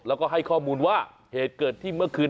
แล้วก็ให้ข้อมูลว่าเหตุเกิดที่เมื่อคืน